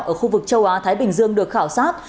ở khu vực châu á thái bình dương được khảo sát